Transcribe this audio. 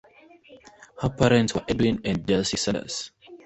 Her parents were Edwin and Jessie Sanders.